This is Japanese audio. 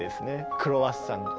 クロワッサンと。